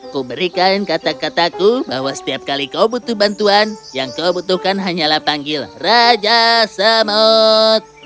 kuberikan kata kataku bahwa setiap kali kau butuh bantuan yang kau butuhkan hanyalah panggil raja samod